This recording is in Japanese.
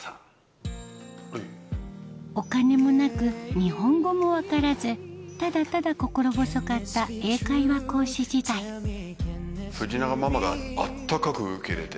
お金もなく日本語も分からずただただ心細かった英会話講師時代藤永ママが温かく受け入れて。